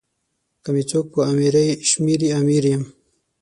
که می څوک په امیری شمېري امیر یم.